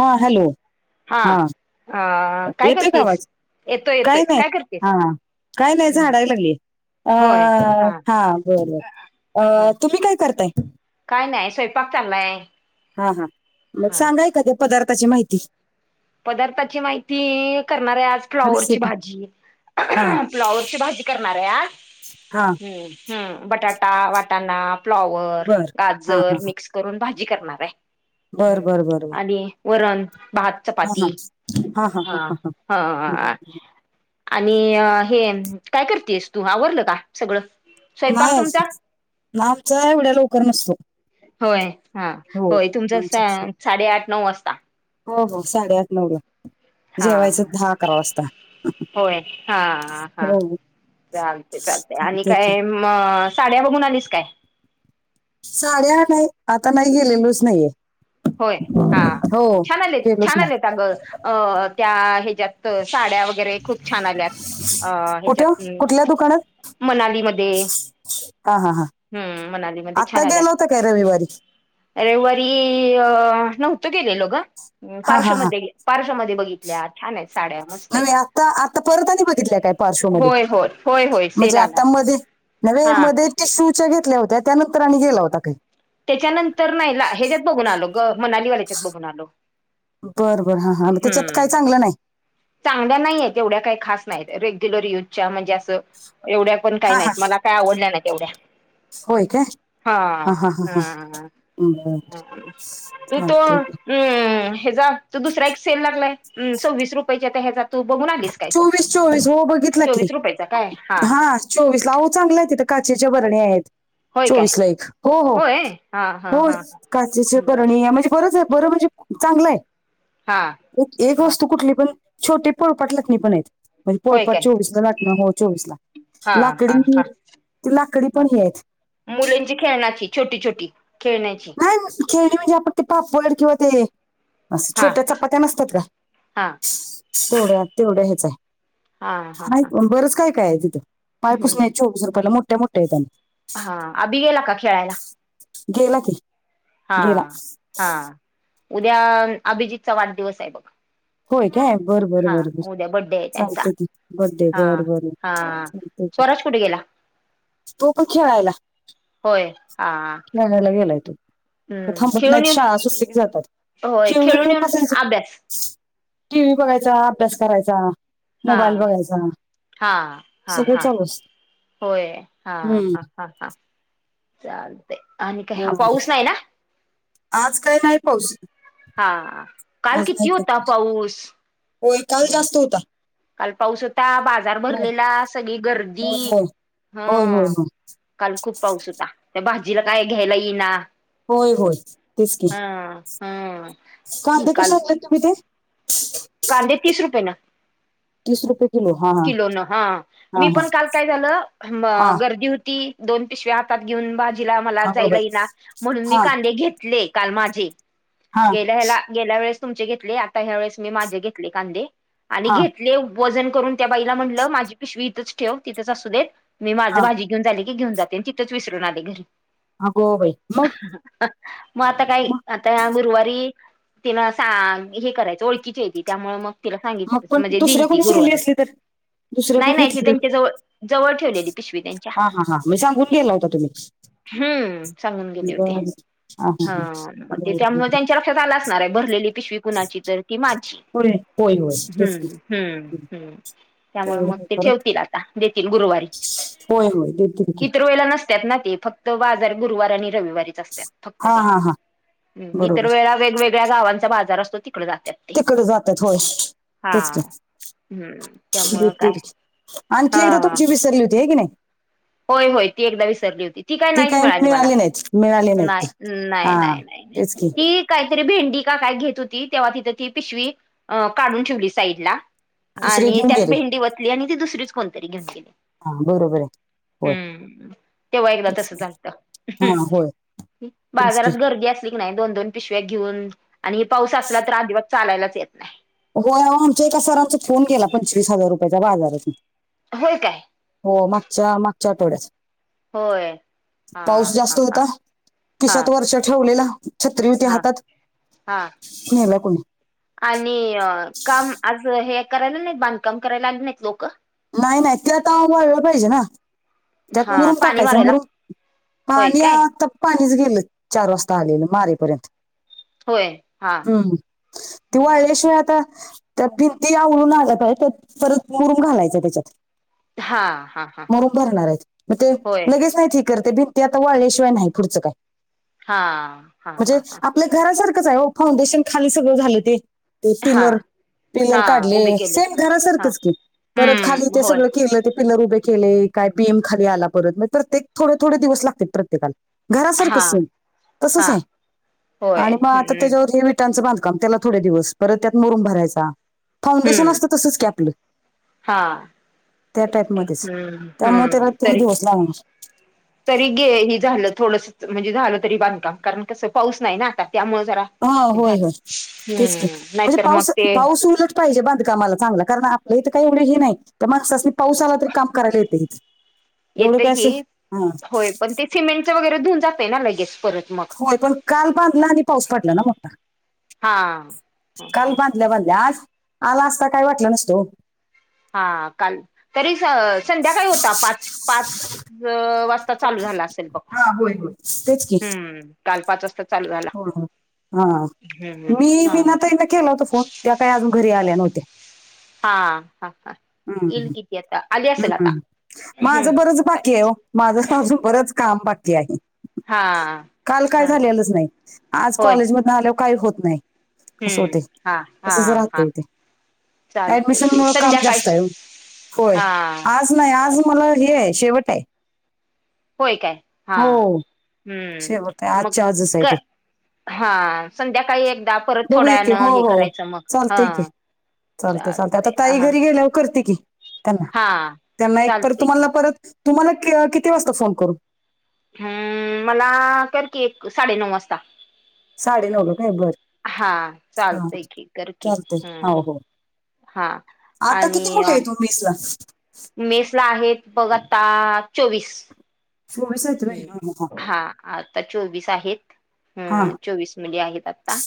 हा हॅलो! हा अ काय येतोय का करतेस, आवाज येतोय, येतोय काय करतेस? काय नाय झाडायला लागली. अ हा बरबर! हा अ तुम्ही काय करताय? काय नाय स्वयंपाक चाललाय. हा हा मग हा सांगाय का त्या पदार्थाची माहिती? पदार्थाची माहिती करणारे आज फ्लॉवरची रेसिपी भाजी. हा फ्लावरची भाजी करणार आहे आज. हा हम, हम! बटाटा, वाटाणा, फ्लॉवर, बर हा हा गाजर मिक्स करून भाजी करणार बर आहे. बर बर बर. आणि वरण, भात, हा हा चपाती हा बर, हा बर. आणि हे काय करतेयस तू आवरल का? सगळ. नाय अजून आमचा एवढ्या लवकर नसतो. होय हा हो होय तुमचा आमचा साडेआठ नऊ वाजता. हो हो साडेआठ, नऊला. हा, जेवायचं दहा अकरा वाजता होय! हा, हा. हो चालते, चालते आणि चालतंय की काय म साड्या बघून आलीस काय? साड्या नाही आता नाही गेलेलोच नाहीये. होय हा हो छान आले, गेलोच छान नाही आलेेत आग अ त्या हेच्यात साड्या व वगैरे खूप छान आल्यात अ कुठं ह्याच्यात कुठल्या दुकानात मनालीमध्ये, हा हा हा हम्म मनालीमध्ये आता छान गेला आल्यात होता काय रविवारी. रविवारी अ नव्हत गेलेलो ग! हा हा पार्श्व हा मध्ये, पार्श्व मध्ये बघितल्या छान आहेत साड्या, मस्त आहेत. नव्हे आता आता परत आणि बघितल्या काय पार्श्वमध्ये होय, होय! होय, होय! सेल आलाय. हा नाहीनाहीमध्ये त शूच्या घेतल्या होत्या त्यानंतर आणि गेला होता काय? त्याच्यानंतर नाही ह्याच्यात बघून आलो ग, मनालीवाल्याच्यात बघून आलो. बर बर हा! हा मग त्याच्यात काय हम्म! चांगलं नाही चांगल्या नाही आहेत, एवढ्या काही खास नाहीत, रेग्युलर युजच्या म्हणजे असं एवढ्या पण काही हा हा नाहीत मला काय आवडल्या नाहीत एवढ्या. होय काय. हा हा बर [unintelligible] त तो चालतंय की. हम् ह्याचा तो दुसरा एक सेल लागलाय सव्वीस रुपयाचा तर ह्याचा तू बघून आलीस. काय तो चोवीस चोवीस हो बघितलं की चोवीस रुपयाचा काय हा. चोवीस ला आओ चांगलाय तिथं काचेच्या भरण्या हाईत. होय काय चोवीस ला एक. हो, हो, होय हा हा हो. हा काचेचे बर बरणी म्हणजे बरच हाय - - बर म्हणजे चांगलायं. हा. एक हा वस्तू कुठली पण छोटी पळपाट लाटनी पण आ हाईत. म्हणजे होय पोळपाट काय चोवीसला लाटणं हो चोवीस ला. हा हा लाकडी हा. ते लाकडी हा पण हे आहेत. मुलींची खेळण्याची, छोटी छोटी खेळण्याची. ह खेळणी म्हणजे आपण ते पापड किंवा ते अस हा छोट्या चपात्या नसतात का हा तेवढ्या तेवढ्या हेच हाय. हा हा नाहि हा बरंच काय काय हाय तिथं, पाय पुसण्या हम्म हाईत चोवीस रुपयाला मोठ्या मोठ्या हाईत आणि हा. आभी गेला का खेळायला? गेला की. गेला हा. हा. उद्या अभिजीतचा वाढदिवस हाय बघ. होय काय बर बर हा. बर बर उद्या बड्डे हाय त्यांचा. चालते की बर्थडे हा, बर बर हा. चालते की स्वराज कुठं गेला? तो पण खेळायला. होय. हा, हा. [unintelligible] गेलाय तो. ते हम्म. थांबत खेळून नाहीत येऊन, शाळा सुटली की जातात होय. खेळून येऊन अभ्यास. टी व्ही बघायचा. अभ्यास करायचा. हा मोबाईल बघायचा. हा हा सगळं हा चालू अस- - होय. हा, हा, हा, हा. चालतयं आणि काय हा. पाऊस नाही ना. आज काय नाही पाऊस. हा, हा. काल आज नाही किती काय होता पाऊस? होय. काल जास्त होता. काल पाऊस होता. बाजार होय भरलेला. सगळी गर्दी होय होय होय हं. होय काल खूप पाऊस होता. त्या भाजीला काय घ्यायला येईना. होय, होय, तेच की ह ह कांदे कशे काल आणले? [unintelligible] काय ते? कांदे तीस रुपये न. तीस रुपये किलो हा किलोन ह. हा मी हा हा पण काल काय हा झालं गर्दी होती दोन पिशव्या हातात घेऊन भाजीला मला अगो जायला बाई ईना म्हणून मी हा कांदे घेतले काल माझे हा गेल्या हेला गेल्या वेळेस तुमचे घेतले. आता ह्या वेळेस मी माझे घेतले कांदे आणि हा घेतले ले वजन करून त्या बाईला म्हटलं माझी पिशवी इथंच ठेव. तिथच असू देत, मी माझं हा भाजी घेऊन झाले की घेऊ जाते. तिथेच विसरून आले घरी. आंग बाई. मग? म आता काय मग आता ह्या गुरुवारी तिन सा हे करायचं ओळखीची हाय ती त्यामुळे मग तिला मग सांगितल पण म्हणजे दिल दुसऱ्या ती कोणी गेली गुरुवारी. असली तर दुसऱ्या कोण नाही, नाही. ती घेतली तर त्यांच्या जवळ, जवळ ठेवलेली पिशवी त्यांच्या. हा हा हा मी सांगून गेला होता तुम्ही हम्म. सांगून गेले होते हा मग ते बरं बरं त्यामुळे त्यांच्या लक्षात आलं असणाराय भरलेली पिशवी कुणाची तर कि माझी होय होय होय तेच की हम्, हम्, ह्. त्यामुळे मग तेवढं हे ते करू ठेवतील आता, देतील गुरुवारी होय होय देतील की इतर वेळेला नस त्यात ना ती फक्त बाजार गुरुवार आणि रविवारीच असतात फक्त हा ते हा हा इतर बरोबर वेळेला वेगवेगळ्या गावांचा बाजार असतो ति तिकड जात्यात व्हय हा तेचकी. हम्म त्यामुळं काय देतील. आणखी एकदा हा तुमची विसरली होती हे कीनी. होय. होय. ती एकदा विसरली होती ती काय नाहीच मिळाली मला. नाहीत मिळाली नाहीत नाय. ती नाय, हा नाय, नाय. तेच की ती काहीतरी भेंडी का काय घेत होती तेव्हा तिथं ती पिशवी अ काढून ठेवली साईड ला दुसरे आणि घेऊन त्यात गेले भेंडी वतली आणि ती दुसरीच कोणतरी घेऊन गेली. हा बरोबर आहे. होय हम्म तेव्हा एकदा तेच तस की. चालत हा होय तेच की बाजारात गर्दी असतीया नाही दोन दोन पिशव्या घेऊन आणि पाऊस असला तर आजिबात चालायलाच येत नाही. व्हय ओ आमच्या एका सरांचा फोन गेला पंचवीस हजार रुपयाचा बाजारातून. व्हय काय? हो मागच्या मागच्या आठवड्यात. होय हा पाऊस हा जास्त हा होता हा खिशात वरच्या ठेवलेला छत्री व्हती हा हातात हा नेला कुणी. आणि काम आज हे करायला नाहीत बांधकाम करायला लाग नाहीत लोक नाही नाही ते आता वाळ पाहिजे ना त्यात हा मुरूम पाणी टाकायचा मारायला मुरूम ह होय आणि काय आता पाणीच गेलं चार वाजता आलेलं मारेपर्यंत होय हा हम्म तेव्हा वाळ्याशिवाय आता त्या भिंती आवळून आल्यात आहे त्यात परत मुरम घालायचं त्याच्यात. हा हा हा हा मुरूम भरणार आहेत म ते होय लगेच नाही ठीक करते भिंती ते आता वाळल्याशिवाय नाही पुढचं काय हा हा म्हणजे हा हा आपल्या घरासारखंच आहे हो फांडेशन खाली सगळं झालं ते ते हा पिलर पिलर हा काढले उभे केले सेम हा घरासारखच की परत खाली हम्म ते होय सगळं केलं ते पिलर उभे केले काय पीएम खाली आला परत म तर ते थोडे थोडे दिवस लागते प्रत्येकाला. घरासारखं हा सेमी तसच हा हाय होय आणि मग आता हम्म त्याच्यावर हे त्यांचं बांधकाम त्याला थोड्या दिवस परत त्यात मोरम भरायचा फाउंडेशन हम्म असतं तसंच कॅपलं हा त्या टाईप मध्येच हम्म त्यामुळे त्याला हम्म ते तरी दिवस ला तरी गे ह झालं थोडस म्हणजे झालं तरी बांधकाम कारण कसं पाऊस नाही ना आता त्यामुळे जरा हा होय झालं होय तेच का हम्म म्हणजे नाहीतर मग पाऊस ते पाऊस उलट पाहिजे बांधकामाला चांगलं कारण आपलं इथं काही एवढे हे नाही तर मगस म पावसाला तरी काम करायला येते इथ एवढं येत काय की असं हा होय पण ते सिमेंट वगैरेधुऊ जात ना लगेच परत मग होय पण काल बांधला आणि पाऊस पडला ना मोठा हां काल बांधल्या बांधल्या आज आला असता काय वाटलं नसतो. हा काल तरी संध्याकाळी होता पाच पाच काल पाच वाजता चालू झालं असेल पाच हा होय होय तेच की चालू झाला हा हम्म मी हा मीनाता केला होत फोन त्यात काही अजून घरी आल्या नव्हते. हा हा हा हं, इल्गितयता अलि असलता हं. माझं बरंच हम्म बाकी आहे हो माझं माजू बरच काम बाकी आहे हा काल काय हा झालेलंच नाही. आज होय कॉलेज मधून आल्यावर काही होत नाही असं हम्म होते हा हा तच राहत हा इथे चालतय ऍडमिशन ते मुळं काम संध्याकाळी जास्त आहे. होय हा आज नाही आज मला हे आहे शेवट आहे. होय काय हा हो शेवट आहे हम्म मग आजच्या आजच आहे ते हा संध्याकाळी एकदा परत बघूया की थोड्यानं हो हे करायचं मग हा चालते चालते चालतय आता ताई हा घरी गेल्यावर करते की त्यांना हा त्यांना एक तर चालतय की तुम्हाला परत तुम्हाला किती वाजता फोन करून.. हम्म मला करकीी एक साडेनऊ वाजता. साडे नऊला काय बर हा चालत आहे की करकी चालतंय हो हम्म हा आणि कुठे येतो मीसला मेस ला आहेत बघ आता चोवीस शमस हम्म हा आता चोवीस आहेत हा हा हम चोवीस मध्ये आहेत आता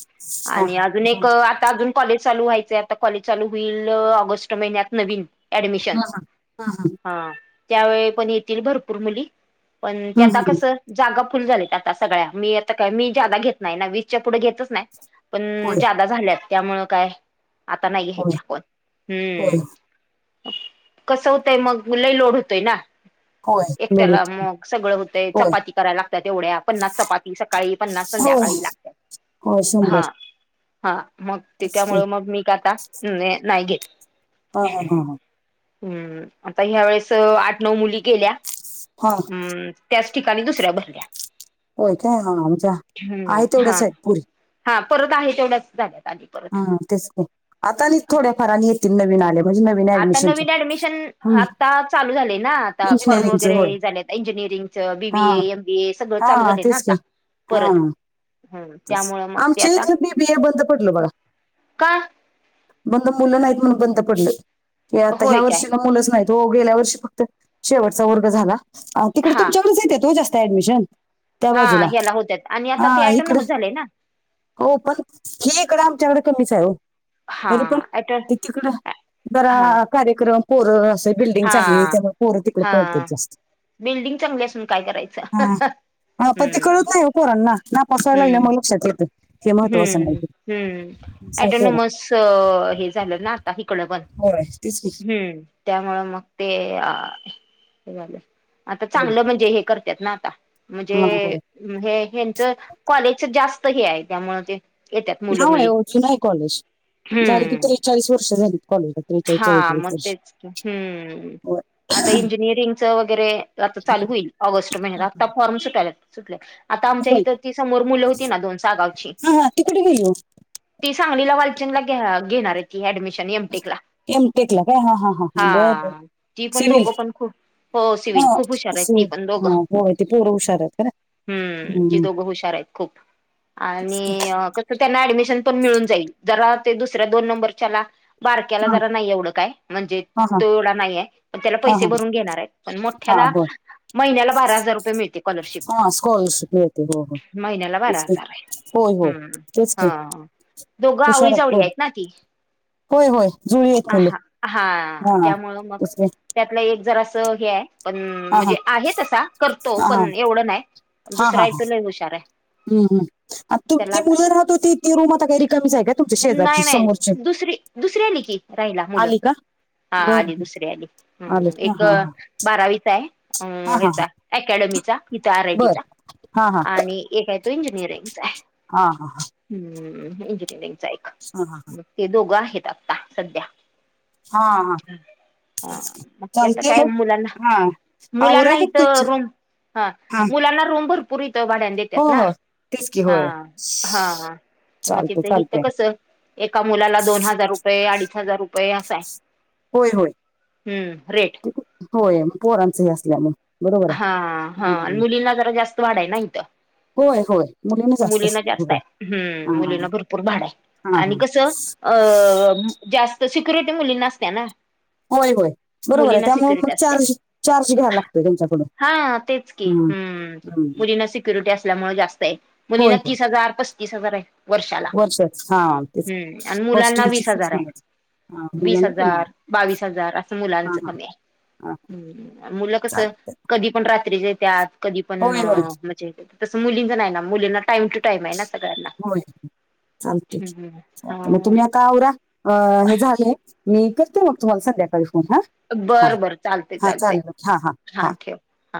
आणि हा अजून एक आता अजून कॉलेज चालू व्हायचंय आता कॉलेज चालू होईल ऑगस्ट महिन्यात नवीन ऍडमिशन हा हा हा त्यावेळी पण येतील भरपूर मुली पण ते आता हा कसं जागा फुल झालीत आता सगळ्या मी आता काय मी जादा घेत नाही ना वीसच्या पुढे घेतच नाही पण होय जादा झाल्यात त्यामुळ काय आता नाही होय या्यायच्या पण होय हम्म कसं होतंय मग मु लही लोड होतोय ना होय एकट्याला नडूच मग सगळं होतय चपाती करायला लागतात तेवढ्या पन्नास चपाती सकाळी पन्नास संध्याकाळी लागतात हो शंभर हा हा मग तेच की त्याच्यामुळे मग मी का आता नाही घेत हा हा हा हा हम्म आता ह्या वेळेस आठ नऊ मुली केल्या ह ह त्याच ठिकाणी दुसऱ्या भरल्या होय काय आमझ हम्म आहे तेवढ्या हा सा आहे पुरी हा परत आहे तेवढ्याच झाल्यात आधी हा तेच आता न थोड्या फारने येतील नवीन आल्या आता नवीन ऍडमिशन आता चालू झालेय ना आता फॉर्म इंजिनिअरिंगचं वगैरे होय झालेत इंजिनिअरिंग हा बीबीए एम बीए सगळं चालू हा झाले ना तेच आता हा परत हम्म त्यामुळं मग ते आमचे आता इथ मी बी ए बंद पडल बघा का बंद मुलं नाहीत म्हणून बंद पडलं क आता ह्या होय काय वर्षीला मुलंच नाहीत तो गेल्या वर्षी फक्त शेवटचा वर्ग झाला तिकडे हा तुमच्यावरच येते तो जास्त ऍडमिशन त्या हा बाजूला ह्याला होत्या आणि हा आता ते अटन इकडे झालेय ना हो पण हे इकडं आमच्याकडे कमीच आहे हा तरी पण ऑटो तीकड जरा हा कार्यक्रम कोरं असे बिल्डिंगली हा त्या परं तिकडे पळत हा जास्त बिल्डिंग चांगली असून काय करायचं हा हा पन ते हम्म कळत नाही ओ पोरा ना ना पसायला लागलं हम्म मग लक्षात येत हम्म ते हम्म साय पोरं ऍटोनॉमस हे झालं ना आता हकड पण होय त हम्म त्यामुंळे मग ते झालं आता होय. चांगलं म्हणजे हे करतात ना आता म्हणजे हा होय हे हच कॉलेजच जास्त हे आहे त्यामुळ ते येतात ना मुलं होय मुली ओ जून नाहीय कॉलेज झाले की हम्म त्रेचाळीस वर्ष झालीत कॉलेजला त्रेचाळीस हा चववेचाळीस मग वर्ष तेच की हम्म. हो आता इंजिनिअरिंगच वगैरे आता चालू होईल ऑगस्ट महिन्यात हा आता फॉर्म सुटाला सुटले आता आमच्या होय इथ ती समोर मुलं होती ना दोन साहागाव हा ह कुठ गेली ओ ती सांगलीला वालचनला घेणार आहे की ऍडमिशन मटेक ला एमटेकला काय हा हा बर बर हा ती पण सिव्हिल दोघ पण खूप हो हा सिवल खूप हुशार आहेत ती सिव्हिल पण दोघं हा होय ते पोरं हुशार आहेत खरं हम्म ती दोघं हुशार आहेत खूप आणि कस त्यांना ऍडमिशन पण मिळून जाईल जरा ते दुसऱ्या दोन नंबरच्याला बारक्याला जरा हा नाही एवढं काय म्हणजे हा तो एवढा नाहीये त्याला हा पैसे हा हा भरून घेणार आहेत पण हा मोठ्याला होय महिन्याला बारा हजार रुपये मिळते कॉलरशिप हा स्कॉलरशिप मिळते हो हो महिन्याला बारा तेच की हजार आहे होय होय हम्म तेच की हा दोघं हुशार आवळी आहेत जावळी पोर ना ती होय होय जुळी येत मुले हा हा त्यामुळं मग त्यातलं एक जर असं हे आहे पण हा हा म्हणजे आहे तसा करतो हा हा पण एवढं नाही हा दुसरा हा आहे हा तो लई हुशार आहे हम्म हम् आता ती मुल राहत हो त ती रूम आता काहीरी कमीच आहे का तुमच्या शेजार ची समोरचे दुसऱ्या रे आली की राहिला मुलं हा बर आली बर दुसरी आली आलेत हम का एक हा हा बारावीचा आहे अम हा हा हा ह्याचा अकॅडमीचा इथ आर आय बर टीचा हा आणि एक आहे तो इंजिनियर हा हा हा हम्म इंजियरीगचा आहे हा हा हा ते दोघं आहेत आता सध्या हा ह हा मग त्या आता काय मुलांना हा आवरा मुलांना मग इथं तुमचं रूम हा मुलांना रोमभर पुूरीत भाड्या हो देतात ना हो तेच की हा होय हा ह चालते म्हणजे ईथ चालते कस एका मुलाला दोन हजार रूपये अडीच हजार रुपये असा आहे होय होय हम्म रेट होय पोरांचं हे असल्यामुळे बरोबर हा आहे हा आणि हम्म मुलींना जरा जास्त वाढा आहे नाही इथं होय होय मुलीने मुलींना असतात जास्त होय आहे हम्म हा मुलींना भरपूर भाड आहे हा आणि हा कसं अ जास्त सिक्युरिटी मुली नसत्या ना होय होय बरोबर आहे मुलींना त्यामु मग सिक्युरिटी असत्या. चार्ज चार्ज घ्या लागतोय त्यांच्याकडून हम्म हम् हम्म मुलींना सिक्युरिटी असल्यामुळे जास्त आहे मुलींना होय होय तीस हजार पस्तीस हजार आहे वर्षाला वर्षाच हा तेच हम्म आणि मुलांना हॉस्टेलची वीस फीस हजार आहे म्हणायची हा वीस मुलांना कमी आहे. हजार बावीस हजार असं हा मुलांच हा कमी आहे हा ह् मुलं कस चालत कधी पण रात्रीचे त्यात कधी पण होय होय म्हणजे तस मुलींच नाही ना मुलींना टाइम टू टाईम आहे ना सगळ्यांना होय चालते हम्म चाल मग हम्म तुम्ही आता आवरा अ हे झालेय मी करते मग तुम्हाला संध्याकाळी फोन हा हा बरं बर चालते हा चालते चालेल हा हा हा हां हा ठेव हा.